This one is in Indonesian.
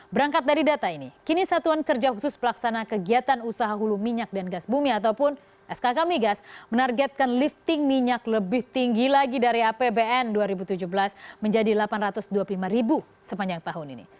berangkat dari data ini kini satuan kerja khusus pelaksana kegiatan usaha hulu minyak dan gas bumi ataupun skk migas menargetkan lifting minyak lebih tinggi lagi dari apbn dua ribu tujuh belas menjadi rp delapan ratus dua puluh lima sepanjang tahun ini